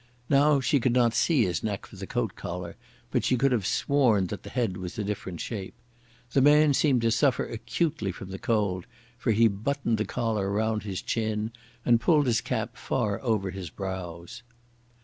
Now she could not see his neck for the coat collar, but she could have sworn that the head was a different shape. The man seemed to suffer acutely from the cold, for he buttoned the collar round his chin and pulled his cap far over his brows.